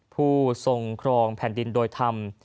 ผู้ทรงครองแผ่นดินโดยธรรม